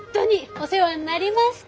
お世話になりました。